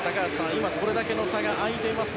今、これだけの差が空いています